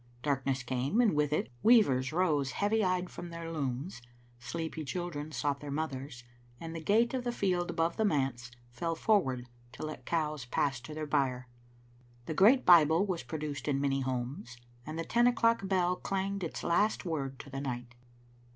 Darkness came, and with it weavers rose heavy eyed from their looms, sleepy children sought their mothers, and the gate of the field above the manse fell forward to let cows pass to their byre ; the great Bible was produced in many homes, and the ten o'clock bell clanged its last word to the night.